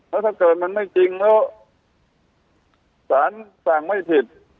แล้วถ้าเกิดมันไม่จริงแล้วสารสั่งไม่ผิด